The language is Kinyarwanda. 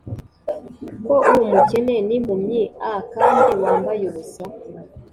Ko uri umukene n impumyi a kandi wambaye ubusa